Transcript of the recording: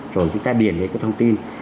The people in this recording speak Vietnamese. rồi chúng ta điền đến cái thông tin